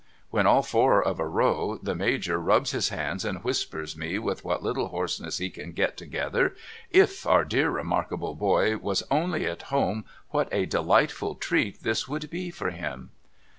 AVhen all four of a row, the Major rubs his hands and whispers me with what little hoarseness he can get together, ' If our dear remarkable boy was only at home what a delightful treat this would be for him